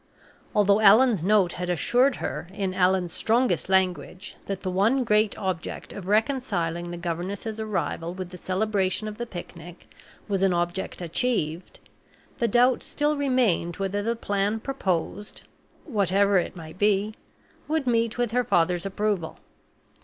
Although Allan's note had assured her, in Allan's strongest language, that the one great object of reconciling the governess's arrival with the celebration of the picnic was an object achieved, the doubt still remained whether the plan proposed whatever it might be would meet with her father's approval.